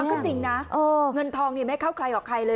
ก็จริงนะเงินทองนี่ไม่เข้าใครออกใครเลย